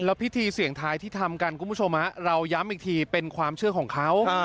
พิธีเสี่ยงทายที่ทำกันคุณผู้ชมเราย้ำอีกทีเป็นความเชื่อของเขา